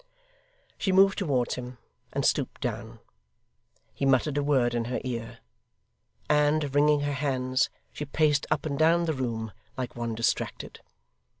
She moved towards him, and stooped down. He muttered a word in her ear; and, wringing her hands, she paced up and down the room like one distracted.